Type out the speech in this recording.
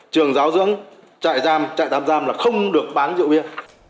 trường giáo dưỡng trại giam trại tạm giam là không được bán rượu bia